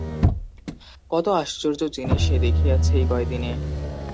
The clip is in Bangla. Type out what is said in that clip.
কত আশ্চর্য জিনিস সে দেখিয়াছে এই কয়দিনে!